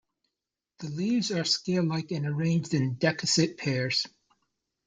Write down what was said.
The leaves are scale-like, arranged in decussate pairs.